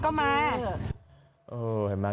เห็นมั๊ะก็ดีเนี้ย